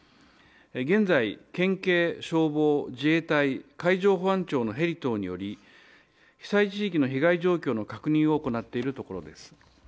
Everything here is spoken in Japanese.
現在、県警、消防、自衛隊、海上保安庁のヘリ等により被災地域の被害状況の確認を行っているところです。